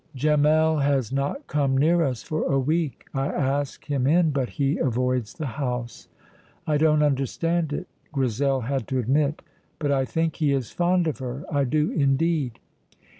"Gemmell has not come near us for a week. I ask him in, but he avoids the house." "I don't understand it," Grizel had to admit; "but I think he is fond of her, I do indeed."